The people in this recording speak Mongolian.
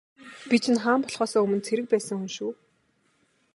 Би чинь хаан болохоосоо өмнө цэрэг байсан хүн шүү.